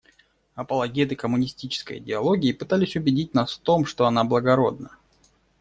Апологеты коммунистической идеологии пытались убедить нас в том, что она благородна.